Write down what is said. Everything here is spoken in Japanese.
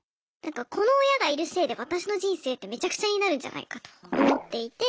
この親がいるせいで私の人生ってめちゃくちゃになるんじゃないかと思っていて。